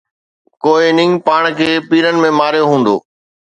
ڪوئي اننگ پاڻ کي پيرن ۾ ماريو هوندو